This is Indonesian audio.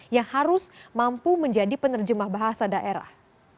yang harus mampu menjadi penerjemah bahasa daerah